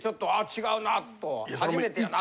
違うなと初めてやなって。